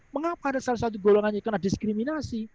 mengapa ada salah satu golongannya kena diskriminasi